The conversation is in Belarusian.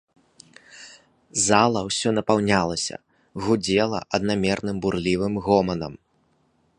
Зала ўсё напаўнялася, гудзела аднамерным бурлівым гоманам.